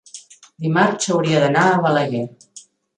dimarts hauria d'anar a Balaguer.